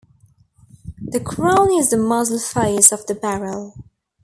The crown is the muzzle face of the barrel.